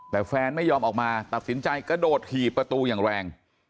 แต่แฟนไม่ยอมออกมาตัดสินใจกระโดดถีบประตูอย่างแรง